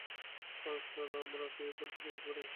সারা আমরা কি এই পথ ধরে যেতে পারি?